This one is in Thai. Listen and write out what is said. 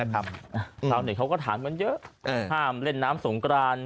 ชาวเน็ตเขาก็ถามกันเยอะห้ามเล่นน้ำสงกราน